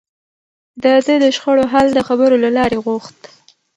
ده د شخړو حل د خبرو له لارې غوښت.